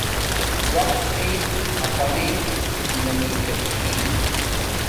وقت تݵ اپانݵ زندگی کا چھی